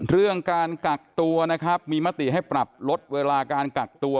เรื่องการกักตัวนะครับมีมติให้ปรับลดเวลาการกักตัว